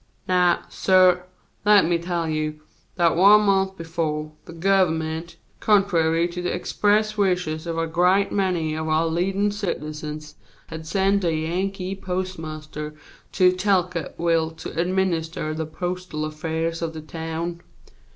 Now, suh, let me tell you that one month befo', the Government, contrary to the express wishes of a great many of our leadin' citizens, had sent a Yankee postmaster to Talcottville to administer the postal affairs of the town.